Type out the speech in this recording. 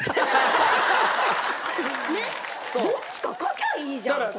どっちか書きゃいいじゃんそんなの。